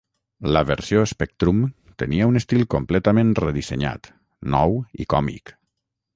La versió Spectrum tenia un estil completament redissenyat, nou i còmic.